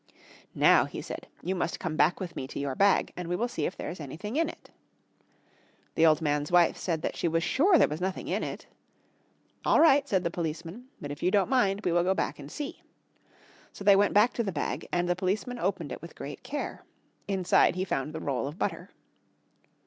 "Now," he said, "you must come back with me to your bag, and we will see if there is anything in it." The old man's wife said that she was sure there was nothing in it. "All right," said the policeman, "but if you don't mind we will go back and see." So they went back to the bag, and the policeman opened it with great care. Inside he found the roll of butter.